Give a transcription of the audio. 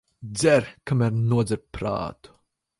Dzer, kamēr nodzer prātu.